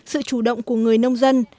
sự chủ động của người nông dân